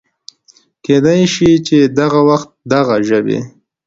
کېدی شي چې دغه وخت دغه ژبې